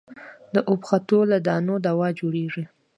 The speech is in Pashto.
د اوبښتو له دانو دوا جوړېږي.